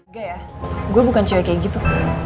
enggak ya gue bukan cewek kayak gitu